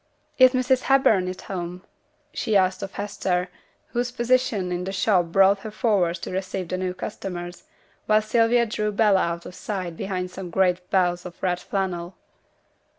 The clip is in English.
'Is Mrs. Hepburn at home?' she asked of Hester, whose position in the shop brought her forwards to receive the customers, while Sylvia drew Bella out of sight behind some great bales of red flannel.